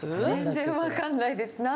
全然わかんないです。